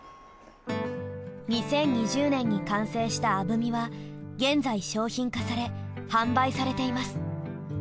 ２０２０年に完成したアブミは現在商品化され販売されています。